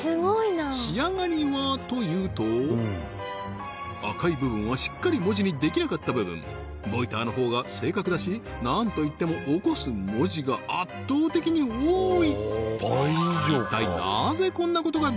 仕上がりはというと赤い部分はしっかり文字にできなかった部分ＶＯＩＴＥＲのほうが正確だし何と言っても起こす文字が圧倒的に多い！